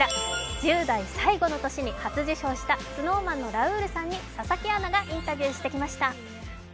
１０代最後の年に初受賞したＳｎｏｗＭａｎのラウールさんに佐々木アナがインタビューしてきました。